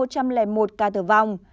ca tử vong